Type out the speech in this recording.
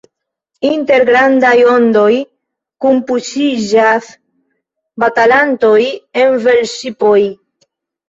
Inter grandaj ondoj kunpuŝiĝas batalantoj en velŝipoj.